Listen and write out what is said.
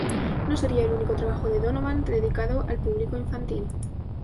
No sería el único trabajo de Donovan dedicado al público infantil.